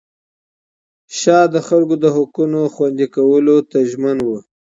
شاه د خلکو د حقونو خوندي کولو ته ژمن و.